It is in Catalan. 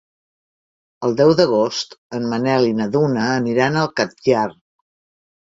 El deu d'agost en Manel i na Duna aniran al Catllar.